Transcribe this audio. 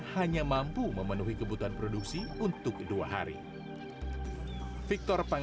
hanya mampu memenuhi kebutuhan produksi untuk dua hari